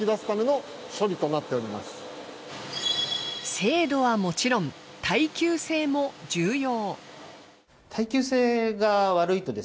精度はもちろん耐久性も重要。